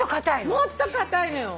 もっと硬いのよ。